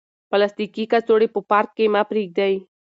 پلاستیکي کڅوړې په پارک کې مه پریږدئ.